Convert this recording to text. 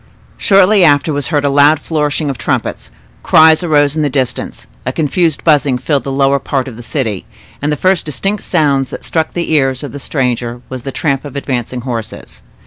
Shortly after was heard a loud flourish of trumpets; cries arose in the distance, a confused buzzing filled the lower part of the city, and the first distinct sound that struck the ears of the stranger was the tramp of advancing horses.